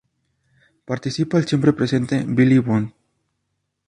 Participa el siempre presente Billy Bond.